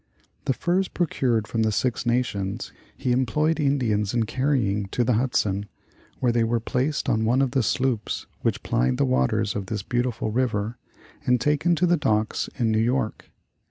The furs procured from the Six Nations, he employed Indians in carrying to the Hudson, where they were placed on one of the sloops which plied the waters of this beautiful river, and taken to the docks in New York.